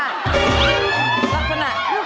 รับคนหน่อย